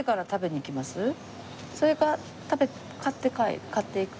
それか買って帰る買っていく？